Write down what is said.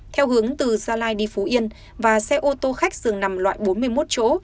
theo hướng từ gia lai đi phú yên và xe ô tô khách dừng nằm loại bốn mươi một chỗ